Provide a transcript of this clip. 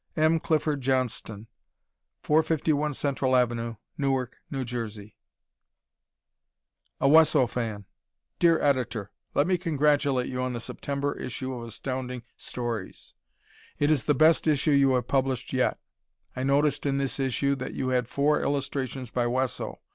M. Clifford Johnston, 451 Central Avenue, Newark, N. J. A Wesso Fan Dear Editor: Let me congratulate you on the September issue of Astounding Stories. It is the best issue you have published yet. I noticed in this issue that you had four illustrations by Wesso.